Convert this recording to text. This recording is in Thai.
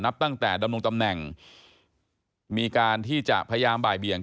ตั้งแต่ดำรงตำแหน่งมีการที่จะพยายามบ่ายเบี่ยง